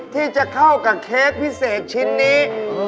ที่จะเข้ากับเค้กพิเศษชิ้นนี้